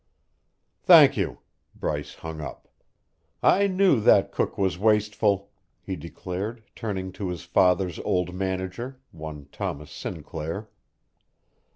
"Thank you." Bryce hung up. "I knew that cook was wasteful," he declared, turning to his father's old manager, one Thomas Sinclair.